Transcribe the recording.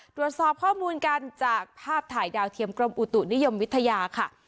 ตรวจสอบข้อมูลกันจากภาพถ่ายดาวเทียมกรมอุตุนิยมวิทยาค่ะ